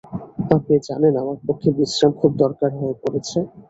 আপনি জানেন, আমার পক্ষে বিশ্রাম খুব দরকার হয়ে পড়েছে।